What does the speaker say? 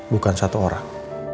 bukan satu orang